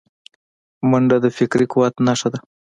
منډه د فکري قوت نښه ده